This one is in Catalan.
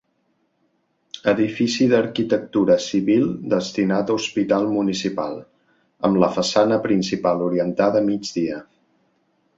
Edifici d'arquitectura civil destinat a Hospital Municipal, amb la façana principal orientada a migdia.